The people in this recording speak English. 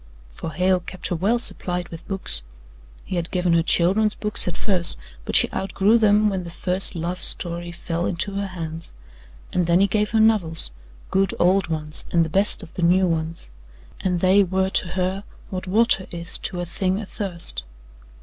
For Hale kept her well supplied with books. He had given her children's books at first, but she outgrew them when the first love story fell into her hands, and then he gave her novels good, old ones and the best of the new ones, and they were to her what water is to a thing athirst.